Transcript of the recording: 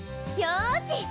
よし！